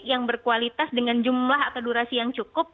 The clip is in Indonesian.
yang berkualitas dengan jumlah atau durasi yang cukup